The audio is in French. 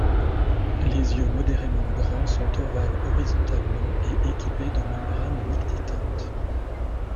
Les yeux modérément grands sont ovales horizontalement et équipés de membranes nictitantes.